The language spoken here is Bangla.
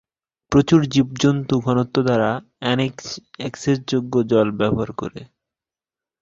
প্রচুর জীবজন্তু ঘনত্ব দ্বারা অ্যাক্সেসযোগ্য জল ব্যবহার করে।